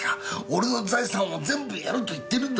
俺の財産を全部やると言ってるんだぞ？